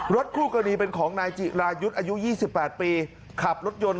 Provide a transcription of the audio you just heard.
คู่กรณีเป็นของนายจิรายุทธ์อายุ๒๘ปีขับรถยนต์